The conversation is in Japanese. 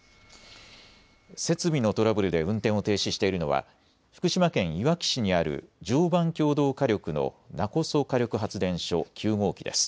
設備のトラブルで運転を停止しているのは福島県いわき市にある常磐共同火力の勿来火力発電所９号機です。